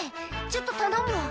ちょっと頼むわ。